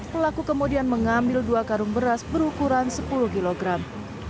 pelaku kemudian mengambil dua karung beras berukuran sepuluh kilogram